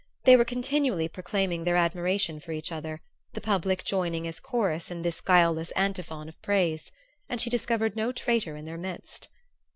They were continually proclaiming their admiration for each other, the public joining as chorus in this guileless antiphon of praise; and she discovered no traitor in their midst.